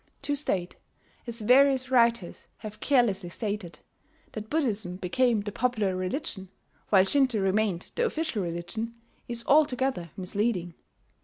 To state, as various writers have carelessly stated, that Buddhism became the popular religion, while Shinto remained the official religion, is altogether misleading.